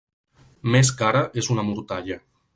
Més cara és una mortalla!